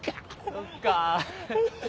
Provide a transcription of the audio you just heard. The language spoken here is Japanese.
そっか。